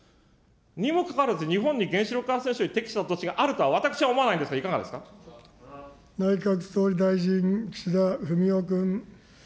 にもかかわらず、日本に原子力発電所に適した土地があると、私は思わないんですが、内閣総理大臣、岸田文雄君。